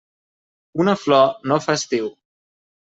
Una flor no fa estiu.